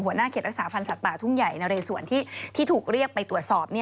เขตรักษาพันธ์สัตว์ป่าทุ่งใหญ่นะเรสวนที่ถูกเรียกไปตรวจสอบ